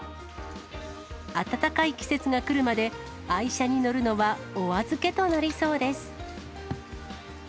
暖かい季節が来るまで、愛車に乗るのはお預けとなりそうです。